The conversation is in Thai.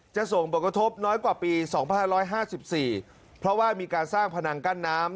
ส่งผลกระทบน้อยกว่าปี๒๕๕๔เพราะว่ามีการสร้างพนังกั้นน้ำ